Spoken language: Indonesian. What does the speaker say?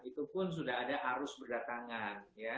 itu pun sudah ada arus berdatangan